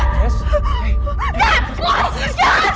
apakah akan menguntungkannya